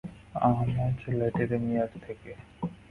আমজ লেটেরেমেরিয়ার থেকে।